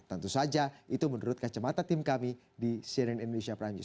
tentu saja itu menurut kacamata tim kami di cnn indonesia prime news